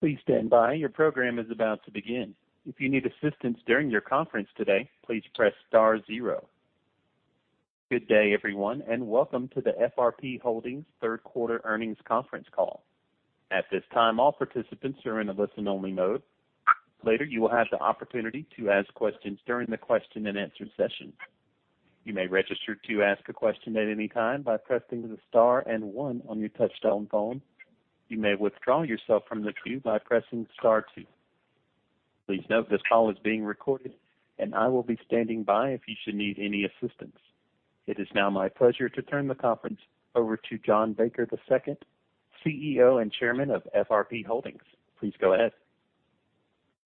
Please stand by. Your program is about to begin. If you need assistance during your conference today, please press star zero. Good day, everyone, and welcome to the FRP Holdings third quarter earnings conference call. At this time, all participants are in a listen-only mode. Later, you will have the opportunity to ask questions during the question-and-answer session. You may register to ask a question at any time by pressing the star and one on your touch-tone phone. You may withdraw yourself from the queue by pressing star two. Please note this call is being recorded, and I will be standing by if you should need any assistance. It is now my pleasure to turn the conference over to John Baker II, CEO and Chairman of FRP Holdings. Please go ahead.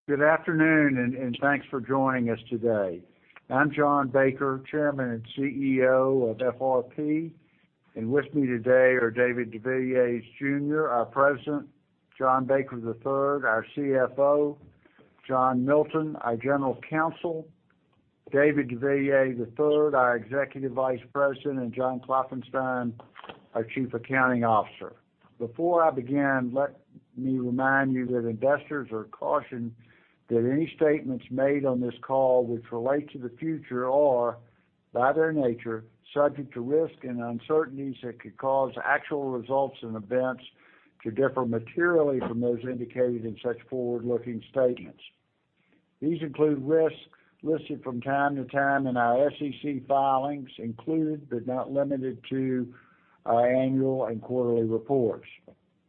Good afternoon and thanks for joining us today. I'm John Baker, Chairman and CEO of FRP, and with me today are David deVilliers Jr., our President, John Baker III, our CFO, John Milton, our General Counsel, David deVilliers III, our Executive Vice President, and John Klopfenstein, our Chief Accounting Officer. Before I begin, let me remind you that investors are cautioned that any statements made on this call which relate to the future are, by their nature, subject to risk and uncertainties that could cause actual results and events to differ materially from those indicated in such forward-looking statements. These include risks listed from time to time in our SEC filings, including, but not limited to our annual and quarterly reports.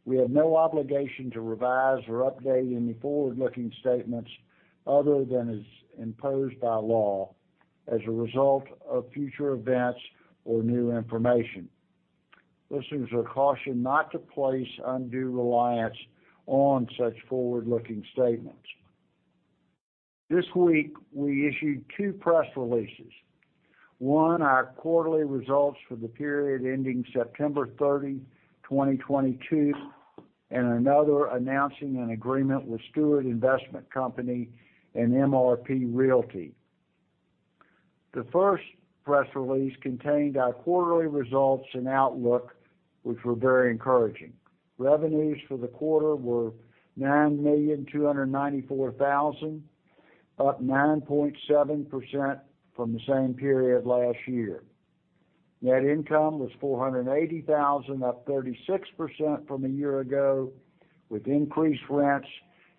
We have no obligation to revise or update any forward-looking statements other than as imposed by law as a result of future events or new information. Listeners are cautioned not to place undue reliance on such forward-looking statements. This week, we issued two press releases. One, our quarterly results for the period ending September 30, 2022, and another announcing an agreement with Steuart Investment Company and MRP Realty. The first press release contained our quarterly results and outlook, which were very encouraging. Revenues for the quarter were $9,294,000, up 9.7% from the same period last year. Net income was $480,000, up 36% from a year ago, with increased rents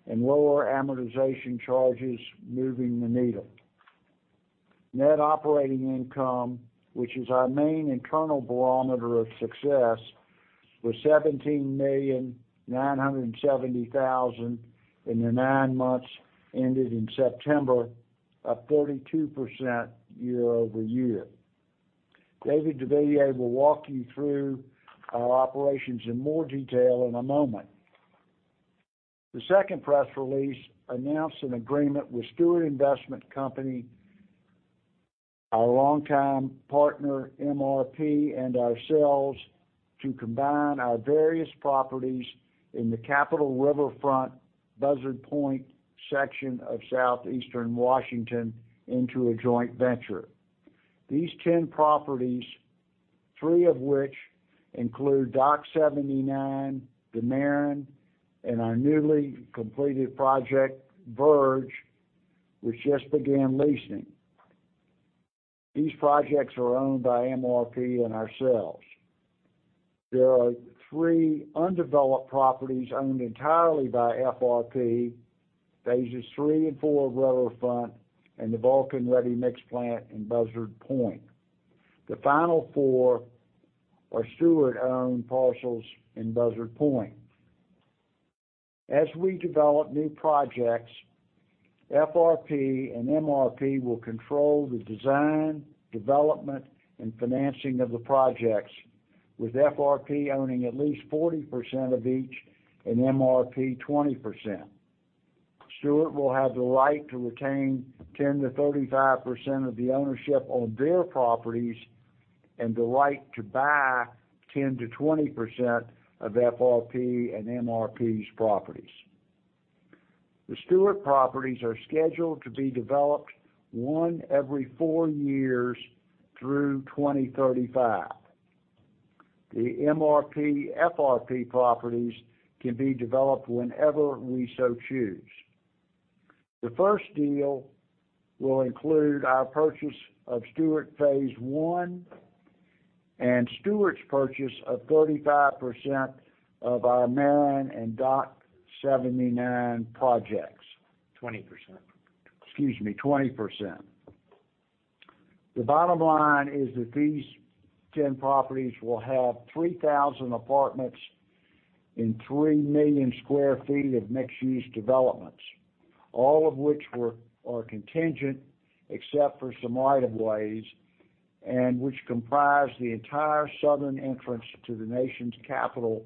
and lower amortization charges moving the needle. Net operating income, which is our main internal barometer of success, was $17,970,000 in the nine months ended in September, up [42]% year-over-year. David deVilliers will walk you through our operations in more detail in a moment. The second press release announced an agreement with Steuart Investment Company, our longtime partner, MRP, and ourselves to combine our various properties in the Capitol Riverfront Buzzard Point section of southwestern Washington into a joint venture. These 10 properties, three of which include Dock 79, The Maren, and our newly completed project, Verge, which just began leasing. These projects are owned by MRP and ourselves. There are three undeveloped properties owned entirely by FRP, phases 3 and 4 of Riverfront and the Vulcan Ready Mix plant in Buzzard Point. The final four are Steuart-owned parcels in Buzzard Point. As we develop new projects, FRP and MRP will control the design, development, and financing of the projects, with FRP owning at least 40% of each and MRP, 20%. Steuart will have the right to retain 10%-35% of the ownership on their properties and the right to buy 10%-20% of FRP and MRP's properties. The Steuart properties are scheduled to be developed one every four years through 2035. The MRP, FRP properties can be developed whenever we so choose. The first deal will include our purchase of Steuart phase 1 and Steuart's purchase of 35% of our Maren and Dock 79 projects. 20%. Excuse me, 20%. The bottom line is that these 10 properties will have 3,000 apartments and 3 million sq ft of mixed-use developments, all of which are contingent, except for some right-of-ways, and which comprise the entire southern entrance to the nation's capital.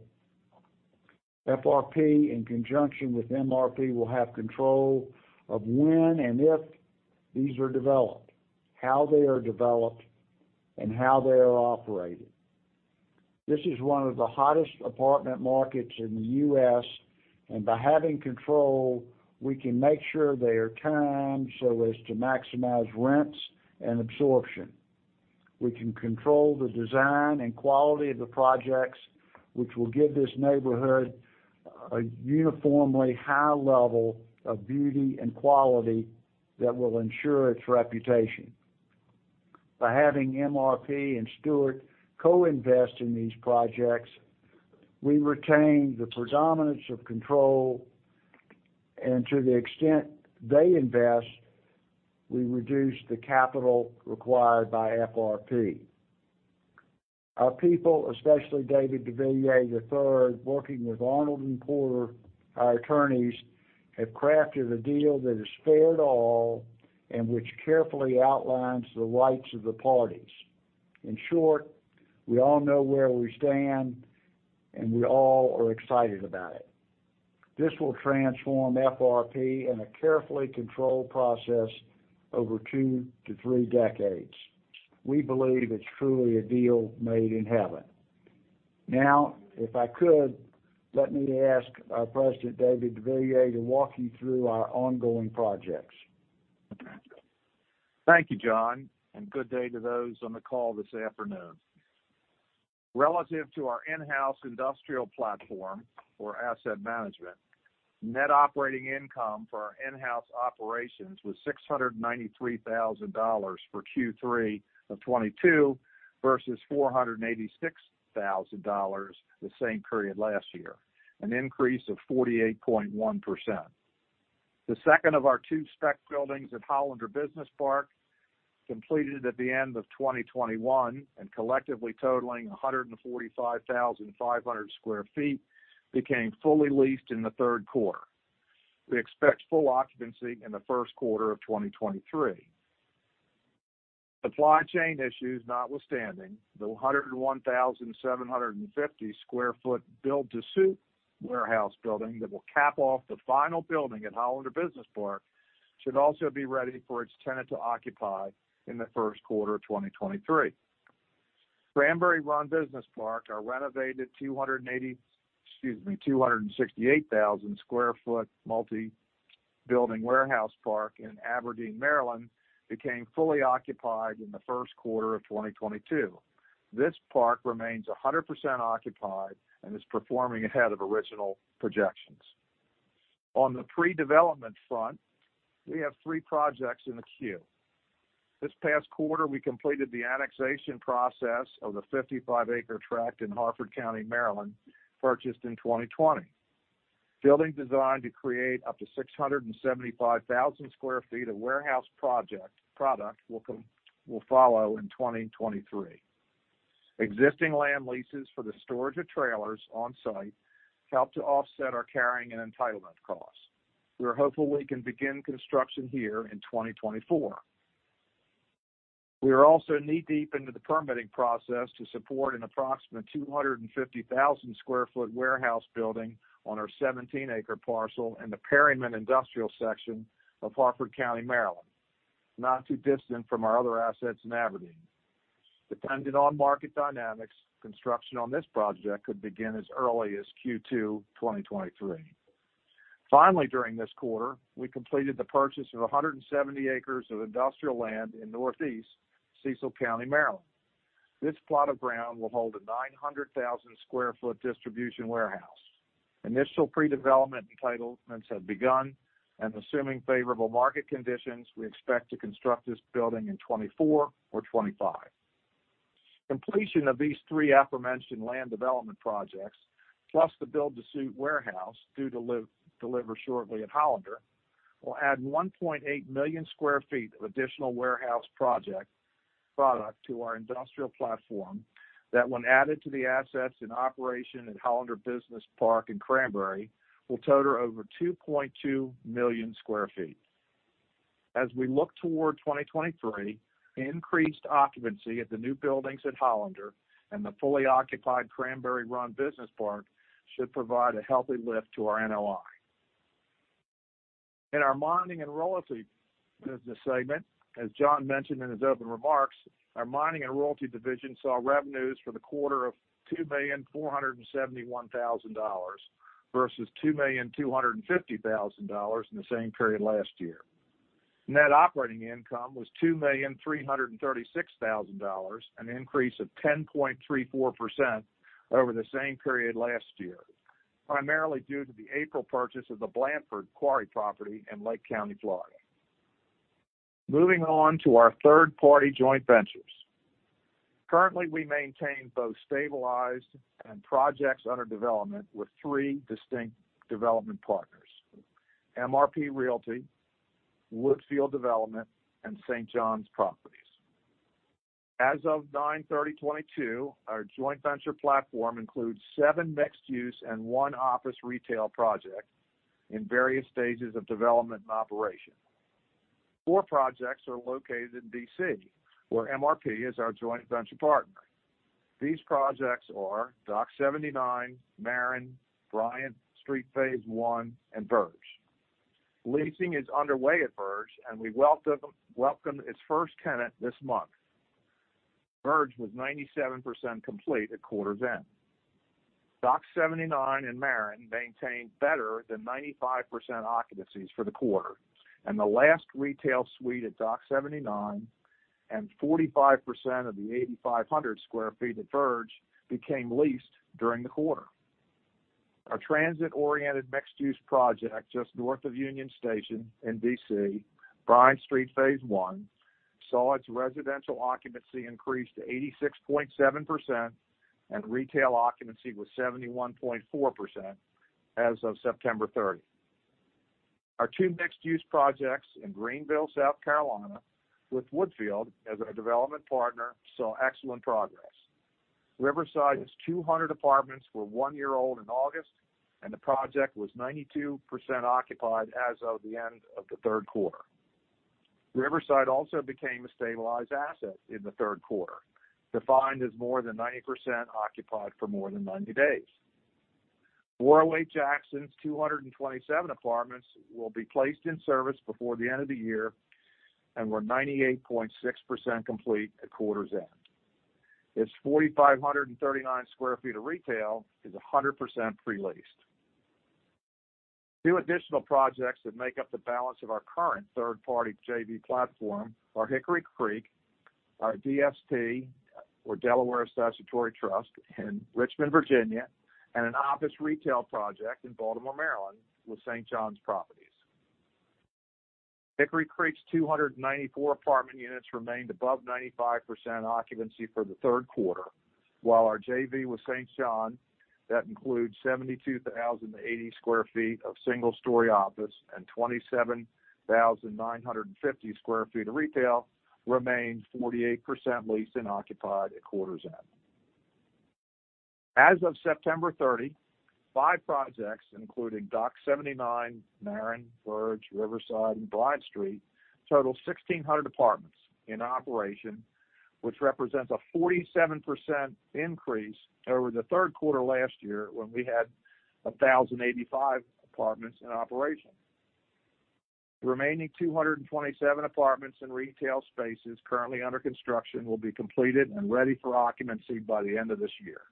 FRP, in conjunction with MRP, will have control of when and if these are developed, how they are developed, and how they are operated. This is one of the hottest apartment markets in the U.S., and by having control, we can make sure they are timed so as to maximize rents and absorption. We can control the design and quality of the projects, which will give this neighborhood a uniformly high level of beauty and quality that will ensure its reputation. By having MRP and Steuart co-invest in these projects, we retain the predominance of control, and to the extent they invest, we reduce the capital required by FRP. Our people, especially David H. deVilliers III, working with Arnold & Porter, our attorneys, have crafted a deal that is fair to all, and which carefully outlines the rights of the parties. In short, we all know where we stand, and we all are excited about it. This will transform FRP in a carefully controlled process over two-three decades. We believe it's truly a deal made in heaven. Now, if I could, let me ask our President, David deVilliers Jr, to walk you through our ongoing projects. Thank you, John, and good day to those on the call this afternoon. Relative to our in-house industrial platform for asset management, net operating income for our in-house operations was $693,000 for Q3 of 2022 versus $486,000 the same period last year, an increase of 48.1%. The second of our two spec buildings at Hollander Business Park, completed at the end of 2021 and collectively totaling 145,500 sq ft, became fully leased in the third quarter. We expect full occupancy in the first quarter of 2023. Supply chain issues notwithstanding, the 101,750 sq ft build-to-suit warehouse building that will cap off the final building at Hollander Business Park should also be ready for its tenant to occupy in the first quarter of 2023. Cranberry Run Business Park, our renovated 268,000 sq ft multi-building warehouse park in Aberdeen, Maryland, became fully occupied in the first quarter of 2022. This park remains 100% occupied and is performing ahead of original projections. On the pre-development front, we have three projects in the queue. This past quarter, we completed the annexation process of the 55-acre tract in Harford County, Maryland, purchased in 2020. Building design to create up to 675,000 sq ft of warehouse product will follow in 2023. Existing land leases for the storage of trailers on site help to offset our carrying and entitlement costs. We are hopeful we can begin construction here in 2024. We are also knee-deep into the permitting process to support an approximate 250,000 sq ft warehouse building on our 17-acre parcel in the Perryman industrial section of Harford County, Maryland, not too distant from our other assets in Aberdeen. Depending on market dynamics, construction on this project could begin as early as Q2 2023. Finally, during this quarter, we completed the purchase of 170 acres of industrial land in Northeast Cecil County, Maryland. This plot of ground will hold a 900,000 sq ft distribution warehouse. Initial pre-development entitlements have begun, and assuming favorable market conditions, we expect to construct this building in 2024 or 2025. Completion of these three aforementioned land development projects, plus the build-to-suit warehouse due to deliver shortly at Hollander, will add 1.8 million sq ft of additional warehouse product to our industrial platform that when added to the assets in operation at Hollander Business Park and Cranberry, will total over 2.2 million sq ft. As we look toward 2023, increased occupancy at the new buildings at Hollander and the fully occupied Cranberry Run Business Park should provide a healthy lift to our NOI. In our mining and royalty business segment, as John mentioned in his opening remarks, our mining and royalty division saw revenues for the quarter of $2,471,000 versus $2,250,000 in the same period last year. Net operating income was $2,336,000, an increase of 10.34% over the same period last year, primarily due to the April purchase of the Blandford quarry property in Lake County, Florida. Moving on to our third-party joint ventures. Currently, we maintain both stabilized and projects under development with three distinct development partners: MRP Realty, Woodfield Development, and St. John Properties. As of 9/30/2022, our joint venture platform includes seven mixed-use and one office retail project in various stages of development and operation. Four projects are located in D.C., where MRP is our joint venture partner. These projects are Dock 79, The Maren, Bryant Street phase 1, and Verge. Leasing is underway at Verge, and we welcome its first tenant this month. Verge was 97% complete at quarter's end. Dock 79 and The Maren maintained better than 95% occupancies for the quarter, and the last retail suite at Dock 79 and 45% of the 8,500 sq ft at Verge became leased during the quarter. Our transit-oriented mixed-use project just north of Union Station in D.C., Bryant Street phase 1, saw its residential occupancy increase to 86.7% and retail occupancy was 71.4% as of September 30. Our two mixed-use projects in Greenville, South Carolina, with Woodfield as our development partner, saw excellent progress. Riverside's 200 apartments were one year old in August, and the project was 92% occupied as of the end of the third quarter. Riverside also became a stabilized asset in the third quarter, defined as more than 90% occupied for more than 90 days. 408 Jackson's 227 apartments will be placed in service before the end of the year and were 98.6% complete at quarter's end. Its 4,539 sq ft of retail is 100% pre-leased. Two additional projects that make up the balance of our current third-party JV platform are Hickory Creek, our DST, or Delaware Statutory Trust, in Richmond, Virginia, and an office retail project in Baltimore, Maryland, with St. John Properties. Hickory Creek's 294 apartment units remained above 95% occupancy for the third quarter. While our JV with St. John, that includes 72,080 sq ft of single-story office and 27,950 sq ft of retail, remains 48% leased and occupied at quarter's end. As of September 30, five projects, including Dock 79, The Maren, Verge, Riverside, and Bryant Street, total 1,600 apartments in operation, which represents a 47% increase over the third quarter last year when we had 1,085 apartments in operation. The remaining 227 apartments and retail spaces currently under construction will be completed and ready for occupancy by the end of this year.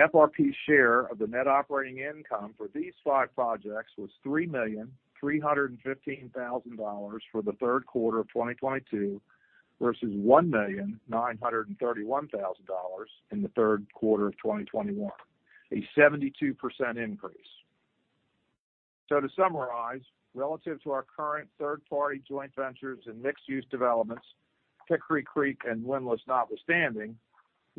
FRP's share of the net operating income for these five projects was $3.315 million for the third quarter of 2022 versus $1.931 million in the third quarter of 2021, a 72% increase. To summarize, relative to our current third-party joint ventures and mixed-use developments, Hickory Creek and Windlass notwithstanding,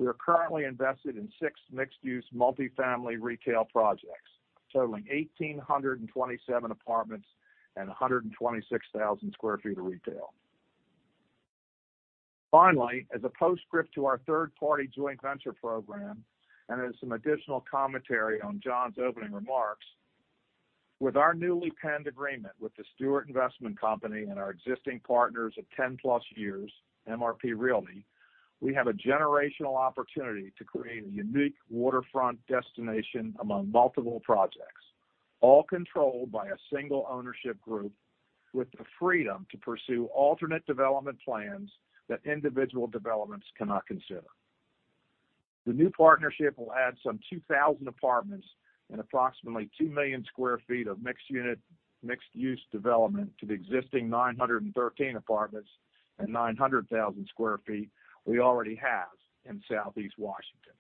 we are currently invested in six mixed-use multifamily retail projects, totaling 1,827 apartments and 126,000 sq ft of retail. Finally, as a postscript to our third-party joint venture program and as some additional commentary on John's opening remarks, with our newly penned agreement with the Steuart Investment Company and our existing partners of 10+ years, MRP Realty, we have a generational opportunity to create a unique waterfront destination among multiple projects, all controlled by a single ownership group with the freedom to pursue alternate development plans that individual developments cannot consider. The new partnership will add some 2,000 apartments and approximately 2 million sq ft of mixed unit, mixed-use development to the existing 913 apartments and 900,000 sq ft we already have in Southeast Washington.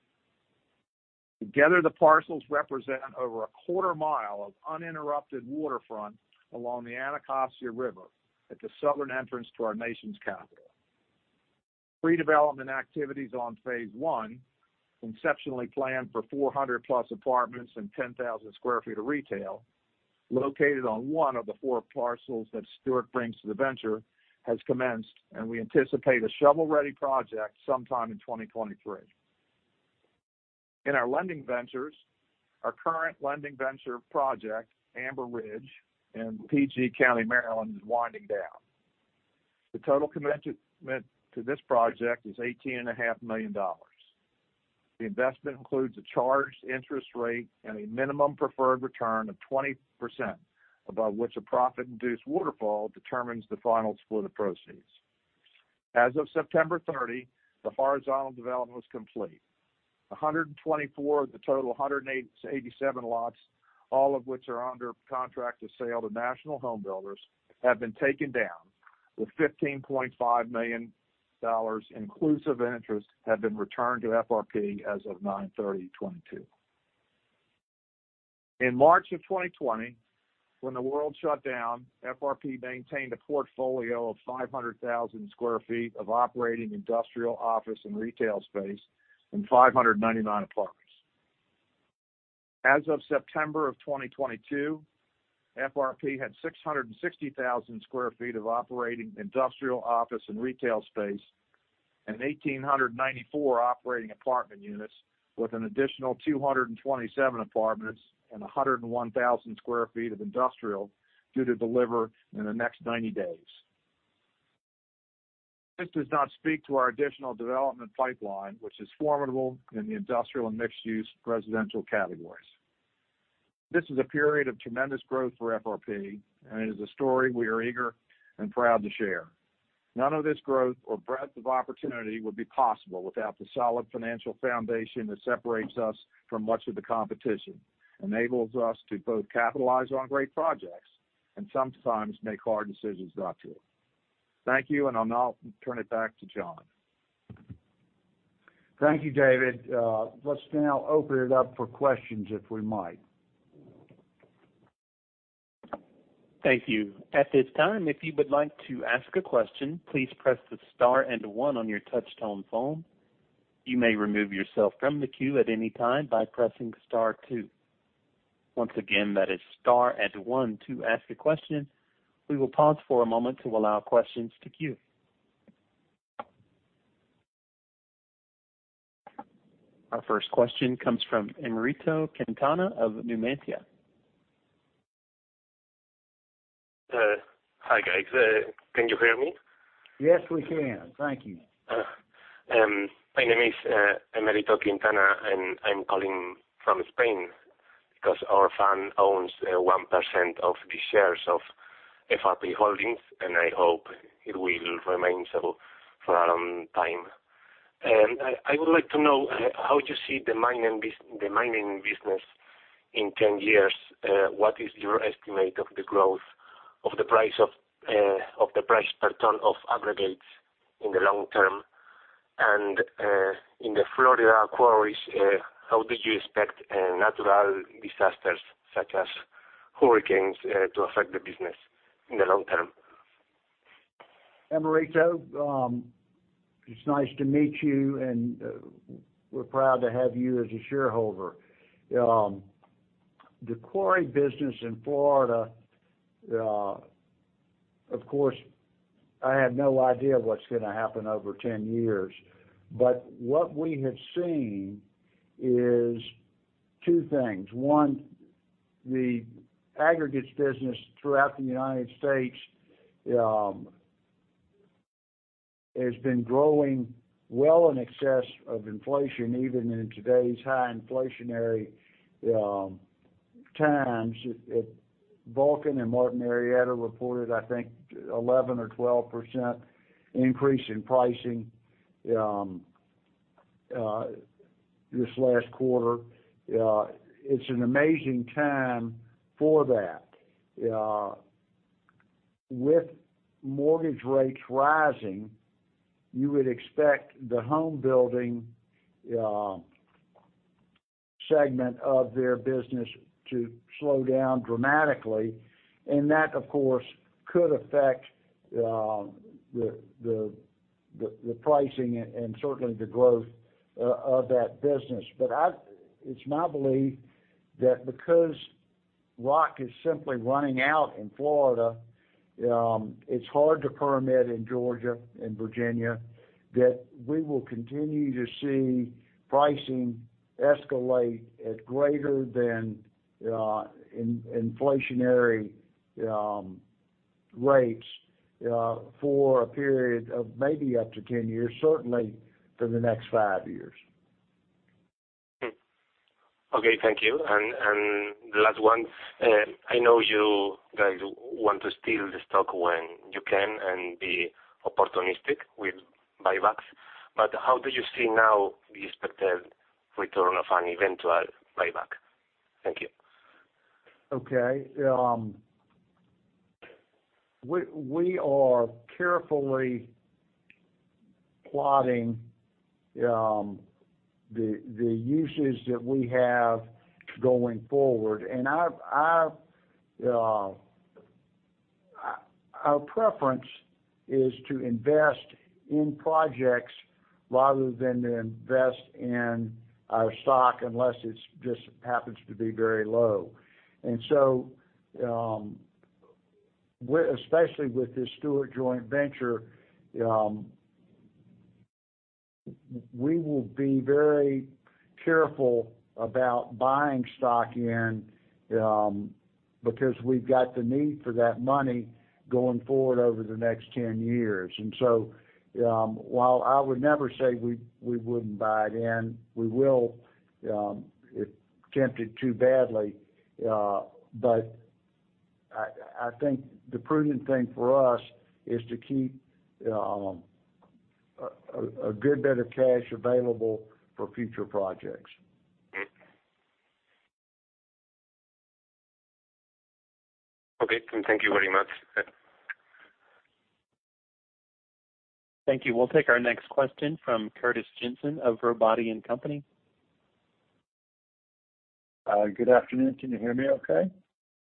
Together, the parcels represent over a quarter mile of uninterrupted waterfront along the Anacostia River at the southern entrance to our nation's capital. Redevelopment activities on phase 1, conceptually planned for 400+ apartments and 10,000 sq ft of retail, located on one of the four parcels that Steuart brings to the venture, has commenced, and we anticipate a shovel-ready project sometime in 2023. In our lending ventures, our current lending venture project, Amber Ridge in PG County, Maryland, is winding down. The total commitment to this project is $18.5 million. The investment includes a charged interest rate and a minimum preferred return of 20%, above which a profit-induced waterfall determines the final split of proceeds. As of September 30, the horizontal development was complete. 124 of the total 187 lots, all of which are under contract to sell to national home builders, have been taken down, with $15.5 million inclusive in interest have been returned to FRP as of 9/30/2022. In March 2020, when the world shut down, FRP maintained a portfolio of 500,000 sq ft of operating industrial office and retail space and 599 apartments. As of September 2022, FRP had 660,000 sq ft of operating industrial office and retail space and 1,894 operating apartment units, with an additional 227 apartments and 101,000 sq ft of industrial due to deliver in the next 90 days. This does not speak to our additional development pipeline, which is formidable in the industrial and mixed-use residential categories. This is a period of tremendous growth for FRP, and it is a story we are eager and proud to share. None of this growth or breadth of opportunity would be possible without the solid financial foundation that separates us from much of the competition, enables us to both capitalize on great projects and sometimes make hard decisions not to. Thank you, and I'll now turn it back to John. Thank you, David. Let's now open it up for questions, if we might. Thank you. At this time, if you would like to ask a question, please press the star and one on your touch-tone phone. You may remove yourself from the queue at any time by pressing star two. Once again, that is star and one to ask a question. We will pause for a moment to allow questions to queue. Our first question comes from Emérito Quintana of Numantia. Hi, guys. Can you hear me? Yes, we can. Thank you. My name is Emérito Quintana, and I'm calling from Spain because our fund owns 1% of the shares of FRP Holdings, and I hope it will remain so for a long time. I would like to know how you see the mining business in 10 years. What is your estimate of the growth of the price of the price per ton of aggregates in the long term? In the Florida quarries, how did you expect natural disasters such as hurricanes to affect the business in the long term? Emérito, it's nice to meet you, and we're proud to have you as a shareholder. The quarry business in Florida, of course, I have no idea what's gonna happen over 10 years. What we have seen is two things. One, the aggregates business throughout the United States has been growing well in excess of inflation, even in today's high inflationary times. Vulcan and Martin Marietta reported, I think, 11% or 12% increase in pricing this last quarter. It's an amazing time for that. With mortgage rates rising, you would expect the home building segment of their business to slow down dramatically, and that, of course, could affect the pricing and certainly the growth of that business. It's my belief that because rock is simply running out in Florida, it's hard to permit in Georgia and Virginia, that we will continue to see pricing escalate at greater than inflationary rates for a period of maybe up to 10 years, certainly for the next five years. Okay, thank you. The last one. I know you guys want to steal the stock when you can and be opportunistic with buybacks, but how do you see now the expected return of an eventual buyback? Thank you. Okay. We are carefully plotting the uses that we have going forward. I've our preference is to invest in projects rather than to invest in our stock unless it's just happens to be very low. Especially with this Steuart joint venture, we will be very careful about buying stock in because we've got the need for that money going forward over the next 10 years. While I would never say we wouldn't buy it in, we will if tempted too badly, but I think the prudent thing for us is to keep a good bit of cash available for future projects. Okay. Thank you very much. Thank you. We'll take our next question from Curtis Jensen of Robotti & Company. Good afternoon. Can you hear me okay?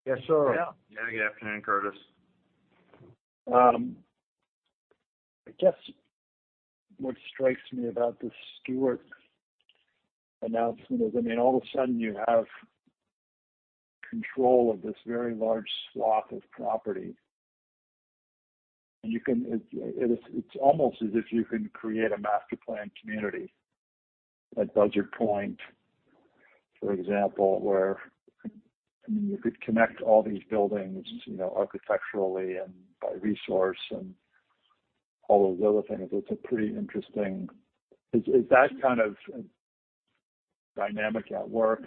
Yes, sir. Yeah. Good afternoon, Curtis. I guess what strikes me about this Steuart announcement is, I mean, all of a sudden, you have control of this very large swath of property. It's almost as if you can create a master planned community at Buzzard Point, for example, where you could connect all these buildings, you know, architecturally and by resource and all those other things. It's a pretty interesting. Is that kind of dynamic at work?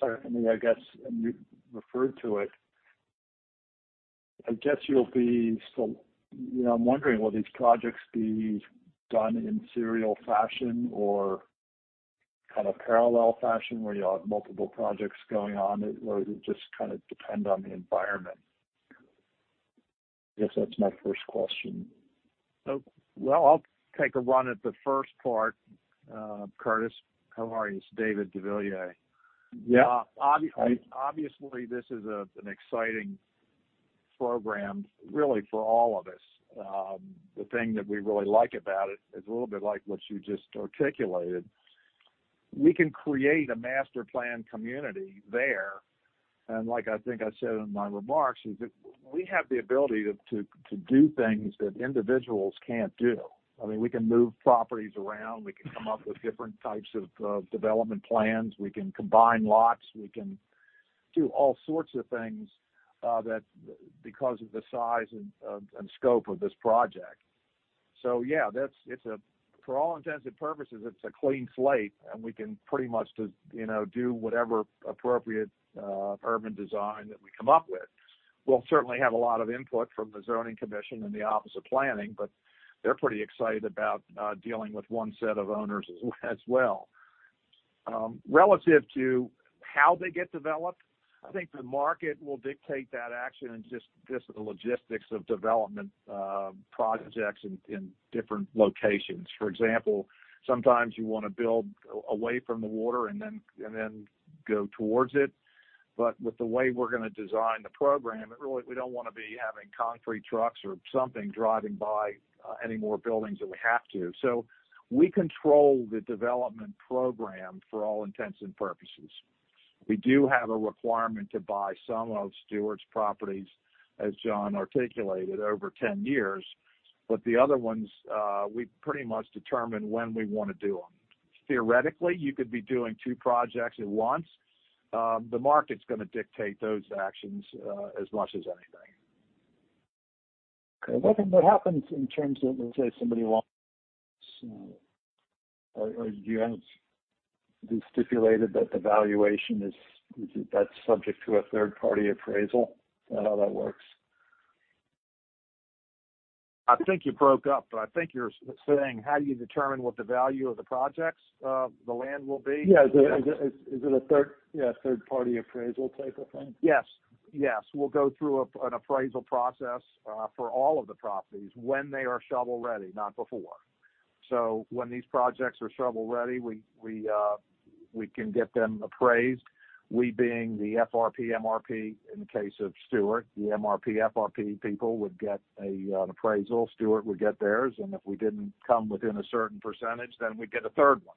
Certainly, I guess, and you referred to it. I guess you'll be still, you know, I'm wondering, will these projects be done in serial fashion or kind of parallel fashion where you'll have multiple projects going on, or will it just kinda depend on the environment? I guess that's my first question. Well, I'll take a run at the first part. Curtis, how are you? It's David deVilliers. Obviously, this is an exciting program really for all of us. The thing that we really like about it is a little bit like what you just articulated. We can create a master plan community there, and like I think I said in my remarks, is that we have the ability to do things that individuals can't do. I mean, we can move properties around. We can come up with different types of development plans. We can combine lots. We can do all sorts of things that because of the size and scope of this project. Yeah, that's it for all intents and purposes, it's a clean slate, and we can pretty much just, you know, do whatever appropriate urban design that we come up with. We'll certainly have a lot of input from the Zoning Commission and the Office of Planning, but they're pretty excited about dealing with one set of owners as well. Relative to how they get developed, I think the market will dictate that action and just the logistics of development, projects in different locations. For example, sometimes you wanna build away from the water and then go towards it. With the way we're gonna design the program, it really we don't wanna be having concrete trucks or something driving by any more buildings than we have to. We control the development program for all intents and purposes. We do have a requirement to buy some of Steuart's properties, as John articulated, over 10 years, but the other ones, we pretty much determine when we wanna do them. Theoretically, you could be doing two projects at once. The market's gonna dictate those actions, as much as anything. Okay. What then happens in terms of, let's say, somebody wants or do you have stipulated that the valuation that's subject to a third-party appraisal? Is that how that works? I think you broke up, but I think you're saying how do you determine what the value of the projects of the land will be? Yeah. Is it a third-party appraisal type of thing? Yes. We'll go through an appraisal process for all of the properties when they are shovel-ready, not before. When these projects are shovel-ready, we can get them appraised. We being the FRP & MRP in the case of Steuart. The MRP & FRP people would get an appraisal. Steuart would get theirs. If we didn't come within a certain percentage, then we'd get a third one.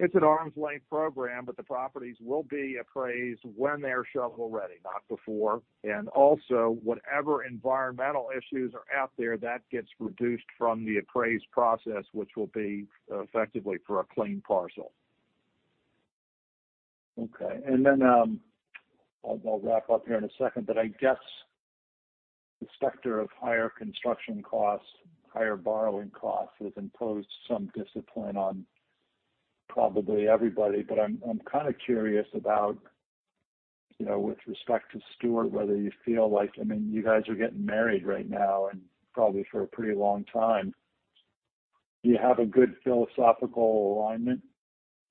It's an arm's length program, but the properties will be appraised when they're shovel-ready, not before. Also, whatever environmental issues are out there, that gets reduced from the appraisal process, which will be effectively for a clean parcel. Okay. I'll wrap up here in a second, but I guess the specter of higher construction costs, higher borrowing costs has imposed some discipline on probably everybody. I'm kinda curious about, you know, with respect to Steuart, whether you feel like I mean, you guys are getting married right now and probably for a pretty long time. Do you have a good philosophical alignment,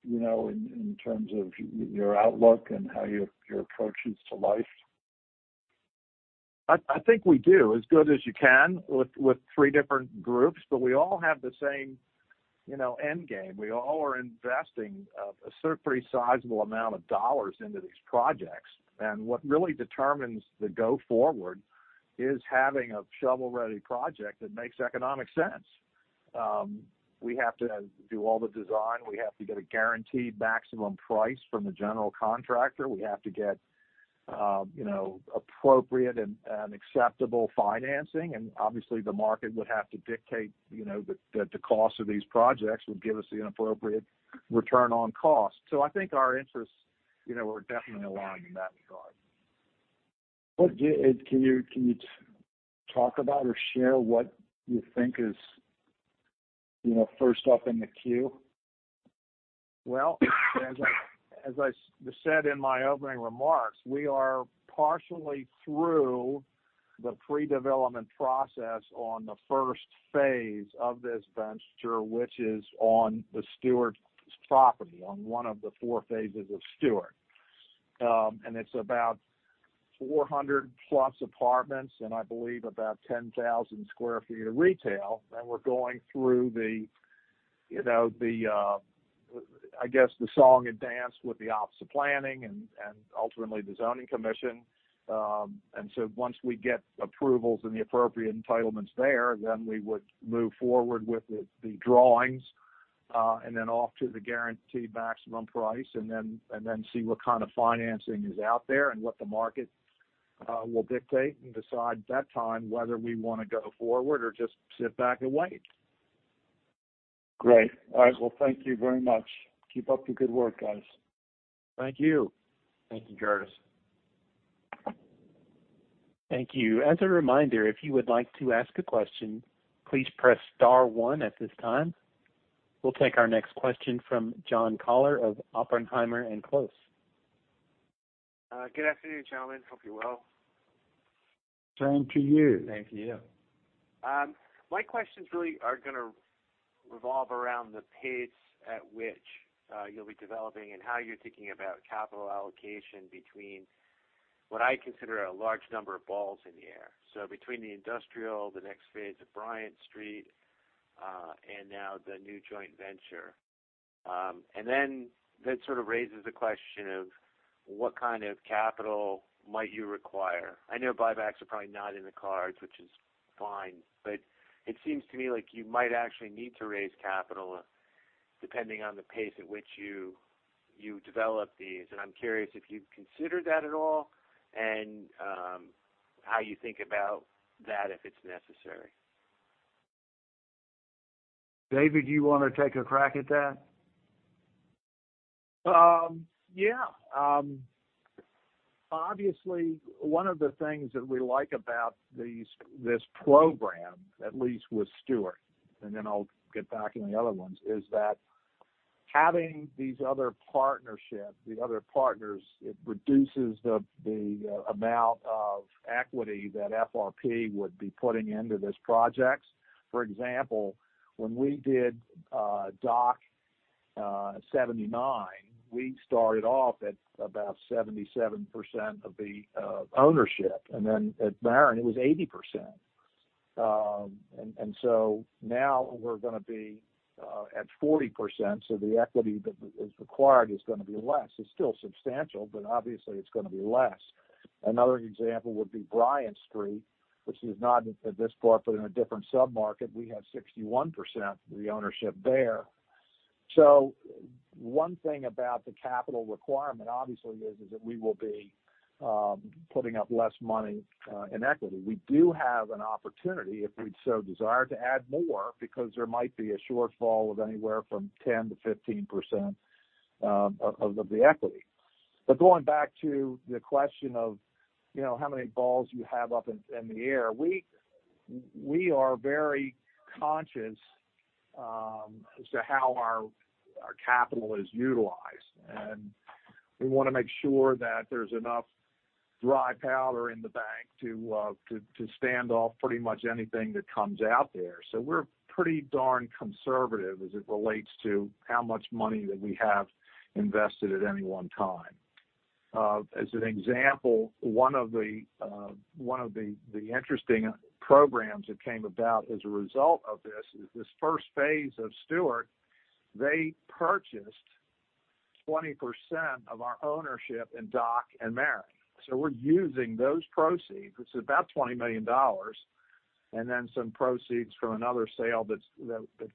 you know, in terms of your outlook and how your approach is to life? I think we do, as good as you can with three different groups. We all have the same, you know, end game. We all are investing a pretty sizable amount of dollars into these projects. What really determines the go forward is having a shovel-ready project that makes economic sense. We have to do all the design. We have to get a guaranteed maximum price from the general contractor. We have to get, you know, appropriate and acceptable financing. Obviously, the market would have to dictate, you know, the cost of these projects would give us the appropriate return on cost. I think our interests, you know, are definitely aligned in that regard. Can you talk about or share what you think is, you know, first up in the queue? Well, as I said in my opening remarks, we are partially through the pre-development process on the first phase of this venture, which is on the Steuart's property, on one of the four phases of Steuart. It's about 400+ apartments and I believe about 10,000 sq ft of retail. We're going through the song and dance with the Office of Planning and ultimately the Zoning Commission. Once we get approvals and the appropriate entitlements there, we would move forward with the drawings and then off to the guaranteed maximum price, and then see what kind of financing is out there and what the market will dictate, and decide at that time whether we wanna go forward or just sit back and wait. Great. All right. Well, thank you very much. Keep up the good work, guys. Thank you. Thank you, Curtis. Thank you. As a reminder, if you would like to ask a question, please press star one at this time. We'll take our next question from John Koller of Oppenheimer + Close. Good afternoon, gentlemen. Hope you're well. Same to you. Same to you. My questions really are gonna revolve around the pace at which you'll be developing and how you're thinking about capital allocation between what I consider a large number of balls in the air. Between the industrial, the next phase of Bryant Street, and now the new joint venture. That sort of raises the question of what kind of capital might you require. I know buybacks are probably not in the cards, which is fine, but it seems to me like you might actually need to raise capital depending on the pace at which you develop these. I'm curious if you've considered that at all and how you think about that if it's necessary. David, do you wanna take a crack at that? Yeah. Obviously, one of the things that we like about this program, at least with Steuart, and then I'll get back in the other ones, is that having these other partnerships, the other partners, it reduces the amount of equity that FRP would be putting into these projects. For example, when we did Dock 79, we started off at about 77% of the ownership, and then at The Maren, it was 80%. Now we're gonna be at 40%, so the equity that is required is gonna be less. It's still substantial, but obviously, it's gonna be less. Another example would be Bryant Street, which is not at this point, but in a different submarket, we have 61% of the ownership there. One thing about the capital requirement, obviously, is that we will be putting up less money in equity. We do have an opportunity, if we so desire, to add more because there might be a shortfall of anywhere from 10%-15% of the equity. Going back to the question of, you know, how many balls you have up in the air, we are very conscious as to how our capital is utilized. We wanna make sure that there's enough dry powder in the bank to stand off pretty much anything that comes out there. We're pretty darn conservative as it relates to how much money that we have invested at any one time. As an example, one of the interesting programs that came about as a result of this is this first phase of Steuart. They purchased 20% of our ownership in Dock and The Maren. We're using those proceeds. It's about $20 million, and then some proceeds from another sale that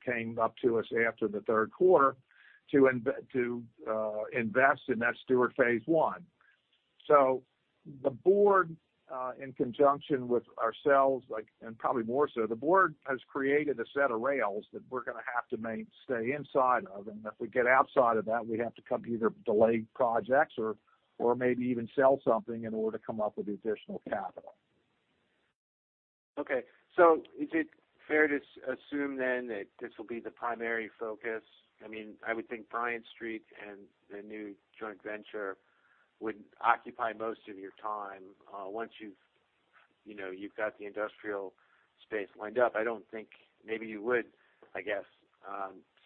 came up to us after the third quarter to invest in that Steuart phase 1. The board, in conjunction with ourselves, like, and probably more so, the board has created a set of rails that we're gonna have to stay inside of. If we get outside of that, we have to come to either delay projects or maybe even sell something in order to come up with additional capital. Okay. Is it fair to assume then that this will be the primary focus? I mean, I would think Bryant Street and the new joint venture would occupy most of your time, once you've, you know, you've got the industrial space lined up. I don't think. Maybe you would, I guess,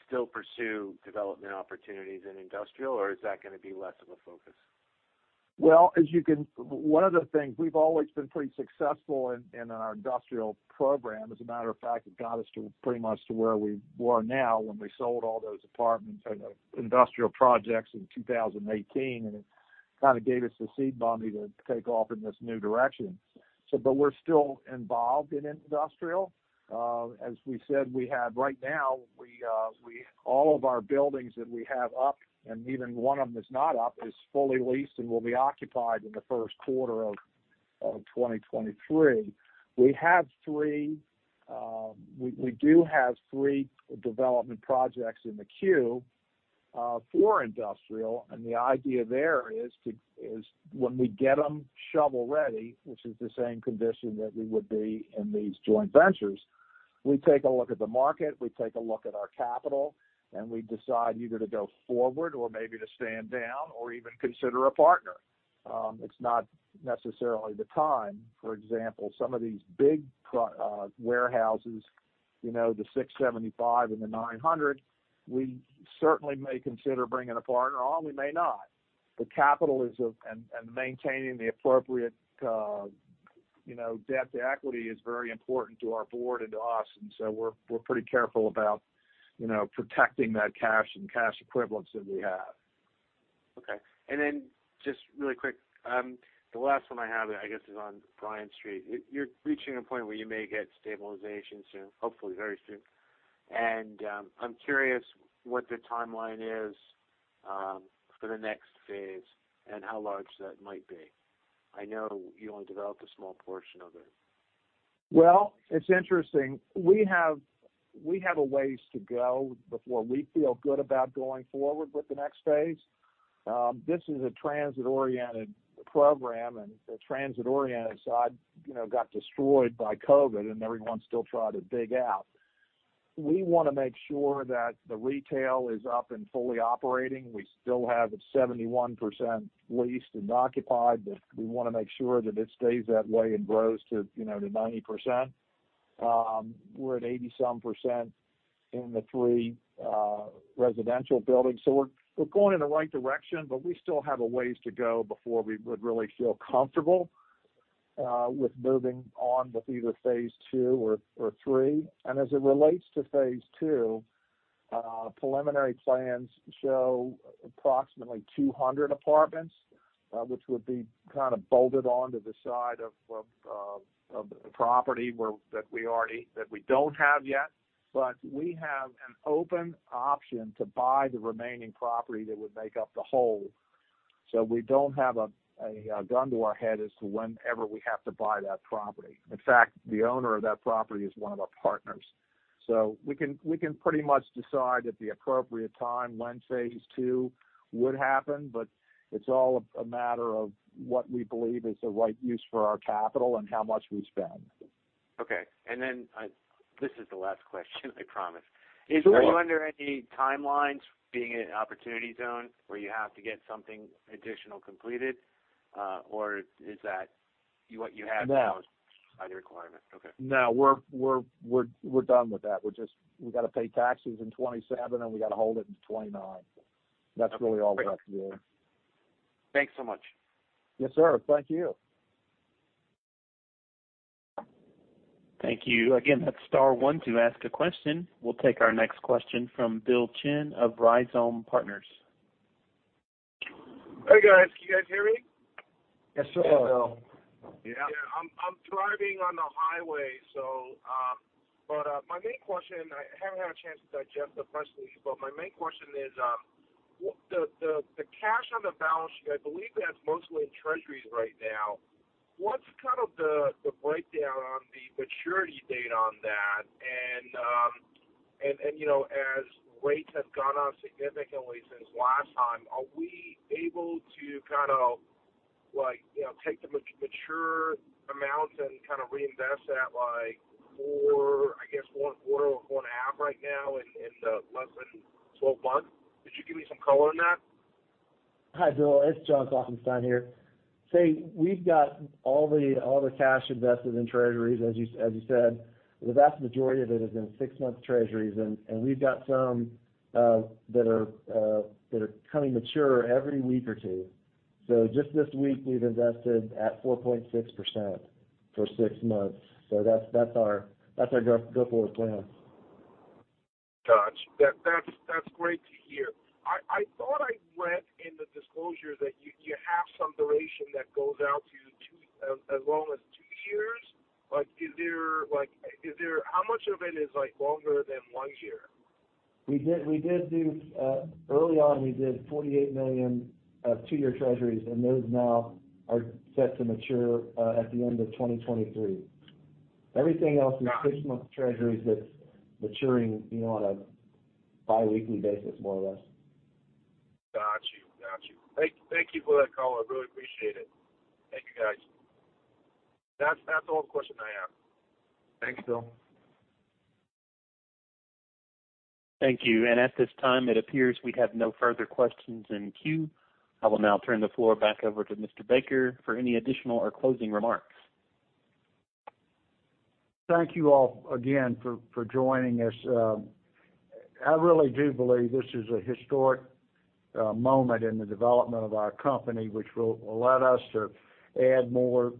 still pursue development opportunities in industrial, or is that gonna be less of a focus? One of the things, we've always been pretty successful in our industrial program. As a matter of fact, it got us pretty much to where we were now when we sold all those apartments and industrial projects in 2018, and it kind of gave us the seed money to take off in this new direction. We're still involved in industrial. As we said, right now, all of our buildings that we have up, and even one of them is not up, is fully leased and will be occupied in the first quarter of 2023. We have three development projects in the queue for industrial. The idea there is when we get them shovel-ready, which is the same condition that we would be in these joint ventures, we take a look at the market, we take a look at our capital, and we decide either to go forward or maybe to stand down or even consider a partner. It's not necessarily the time. For example, some of these big warehouses, you know, the 675 and the 900, we certainly may consider bringing a partner on, we may not. The capital, and maintaining the appropriate, you know, debt to equity is very important to our board and to us. We're pretty careful about, you know, protecting that cash and cash equivalents that we have. Okay. Then just really quick, the last one I have, I guess, is on Bryant Street. You're reaching a point where you may get stabilization soon, hopefully very soon. I'm curious what the timeline is for the next phase and how large that might be? I know you only developed a small portion of it. Well, it's interesting. We have a ways to go before we feel good about going forward with the next phase. This is a transit-oriented program, and the transit-oriented side, you know, got destroyed by COVID, and everyone's still trying to dig out. We wanna make sure that the retail is up and fully operating. We still have it 71% leased and occupied, but we wanna make sure that it stays that way and grows to, you know, to 90%. We're at eighty-some percent in the three residential buildings. We're going in the right direction, but we still have a ways to go before we would really feel comfortable with moving on with either phase 2 or 3. As it relates to phase 2, preliminary plans show approximately 200 apartments, which would be kind of bolted on to the side of the property that we don't have yet. We have an open option to buy the remaining property that would make up the whole. We don't have a gun to our head as to whenever we have to buy that property. In fact, the owner of that property is one of our partners. We can pretty much decide at the appropriate time when phase two would happen, but it's all a matter of what we believe is the right use for our capital and how much we spend. Okay. This is the last question, I promise. Are you under any timelines being in an opportunity zone where you have to get something additional completed, or is that what you have as your requirement? Okay. No. We're done with that. We're just. We've got to pay taxes in 2027, and we gotta hold it till 2029. That's really all we have to do. Thanks so much. Yes, sir. Thank you. Thank you. Again, hit star one to ask a question. We'll take our next question from Bill Chen of Rhizome Partners. Hey, guys. Can you guys hear me? Yes, sir. Hello. Yeah. I'm driving on the highway, so my main question. I haven't had a chance to digest the press release. My main question is what the cash on the balance sheet, I believe that's mostly in treasuries right now. What's the breakdown on the maturity date on that? You know, as rates have gone up significantly since last time, are we able to kind of like, you know, take the mature amounts and kind of reinvest that, like I guess one quarter or one and a half right now in the less than 12 months? Could you give me some color on that? Hi, Bill. It's John Klopfenstein here. Say, we've got all the cash invested in treasuries, as you said. The vast majority of it is in six-month treasuries, and we've got some that are maturing every week or two. Just this week, we've invested at 4.6% for six months. That's our go forward plan. Gotcha. That's great to hear. I thought I read in the disclosure that you have some duration that goes out to two, as long as two years. Like, how much of it is, like, longer than one year? We did do early on $48 million of two-year treasuries, and those now are set to mature at the end of 2023. Everything else is six-month treasuries that's maturing, you know, on a biweekly basis, more or less. Got you. Thank you for that call. I really appreciate it. Thank you, guys. That's all the questions I have. Thank you, Bill. Thank you. At this time, it appears we have no further questions in queue. I will now turn the floor back over to Mr. Baker for any additional or closing remarks. Thank you all again for joining us. I really do believe this is a historic moment in the development of our company, which will let us to add more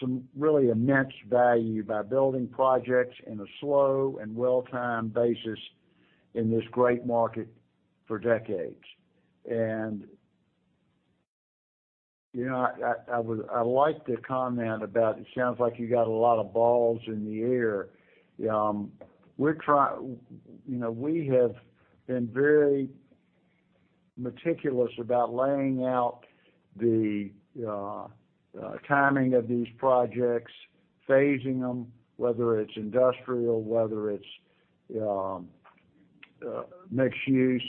some really immense value by building projects in a slow and well-timed basis in this great market for decades. You know, I like the comment about it sounds like you got a lot of balls in the air. You know, we have been very meticulous about laying out the timing of these projects, phasing them, whether it's industrial, whether it's mixed use.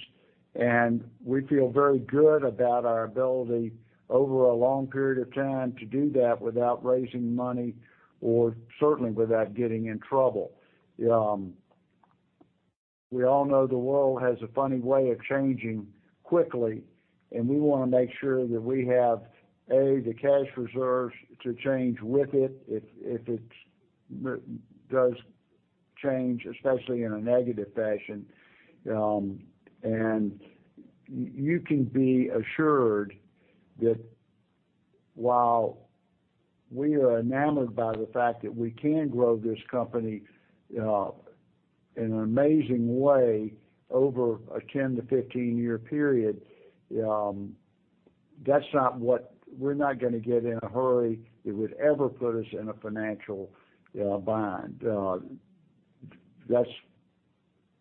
We feel very good about our ability over a long period of time to do that without raising money or certainly without getting in trouble. We all know the world has a funny way of changing quickly, and we want to make sure that we have the cash reserves to change with it if it does change, especially in a negative fashion. You can be assured that while we are enamored by the fact that we can grow this company in an amazing way over a 10- to 15-year period, we're not gonna get in a hurry that would ever put us in a financial bind. That's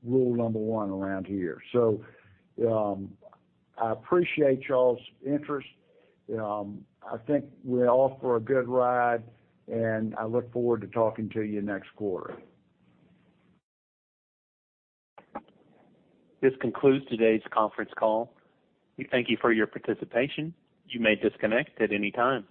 rule number one around here. I appreciate y'all's interest. I think we're all for a good ride, and I look forward to talking to you next quarter. This concludes today's conference call. We thank you for your participation. You may disconnect at any time.